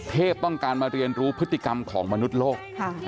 ต้องการมาเรียนรู้พฤติกรรมของมนุษย์โลก